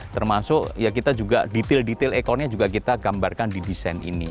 termasuk ya kita juga detail detail ekornya juga kita gambarkan di desain ini